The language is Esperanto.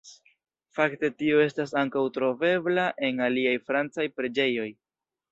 Fakte tio estas ankaŭ trovebla en aliaj francaj preĝejoj.